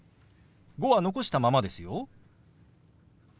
「５」は残したままですよ。